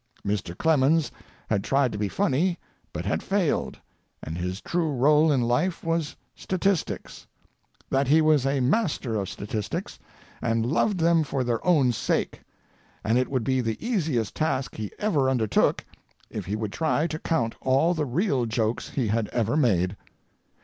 Mr. Clemens had tried to be funny but had failed, and his true role in life was statistics; that he was a master of statistics, and loved them for their own sake, and it would be the easiest task he ever undertook if he would try to count all the real jokes he had ever made.